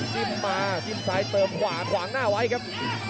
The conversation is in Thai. กระโดยสิ้งเล็กนี่ออกกันขาสันเหมือนกันครับ